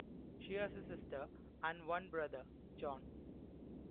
She has a sister and one brother, John.